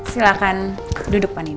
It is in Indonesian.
silahkan duduk pak nino